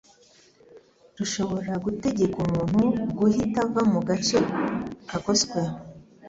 rushobora gutegeka umuntu guhita ava mu gace kagoswe